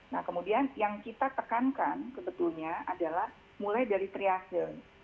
nah kemudian yang kita tekankan sebetulnya adalah mulai dari triase